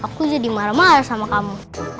aku jadi marah marah sama kamu